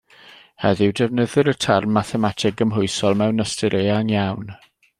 Heddiw, defnyddir y term mathemateg gymhwysol mewn ystyr eang iawn.